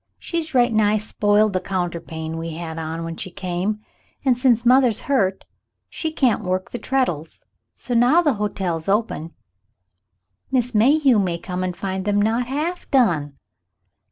She's right nigh spoiled the counterpane we had on when she came, and since mother's hurt, she can't work the treadles, so now the hotel's open Miss Mayhew may come and find them not half done."